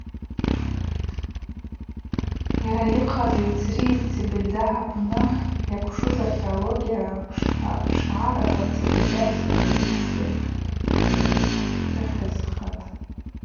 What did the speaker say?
Йара йыхъаз йцрийыз Цебельда апны йакӏвшуз археология пшгӏараква Цебельда экспедиция рыхьызхатӏ.